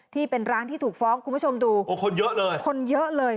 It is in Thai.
ที่เป็นร้านที่ถูกฟ้องคุณผู้ชมดูโอ้คนเยอะเลยคนเยอะเลย